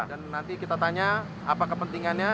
dan nanti kita tanya apa kepentingannya